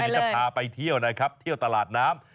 เดี๋ยวจะพาไปเที่ยวนะครับเที่ยวตลาดน้ำ